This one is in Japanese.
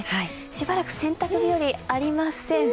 しばらく洗濯日和ありません。